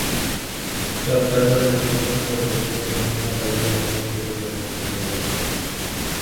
সরকার গঠনের মতো সংখ্যাগরিষ্ঠতা অর্জনের জন্য তাঁদের জনগণের ভোটের কোনো প্রয়োজন হয়নি।